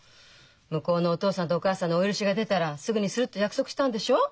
向こうのお父さんとお母さんのお許しが出たらすぐにするって約束したんでしょう？